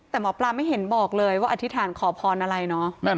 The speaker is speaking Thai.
แต่หมอปลาไม่เห็นบอกเลยว่าอธิษฐานขอพรอะไรเนาะ